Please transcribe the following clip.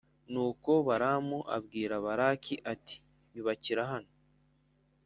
Nuko Balamu abwira Balaki ati nyubakira hano